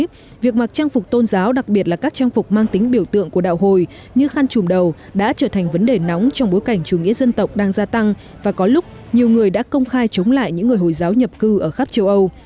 vì vậy việc mặc trang phục tôn giáo đặc biệt là các trang phục mang tính biểu tượng của đạo hồi như khăn trùm đầu đã trở thành vấn đề nóng trong bối cảnh chủ nghĩa dân tộc đang gia tăng và có lúc nhiều người đã công khai chống lại những người hồi giáo nhập cư ở khắp châu âu